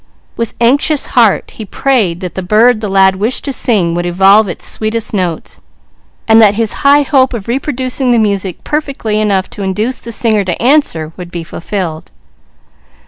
With anxious heart he prayed that the bird the lad wished to sing would evolve its sweetest notes, and that his high hope of reproducing the music perfectly enough to induce the singer to answer would be fulfilled.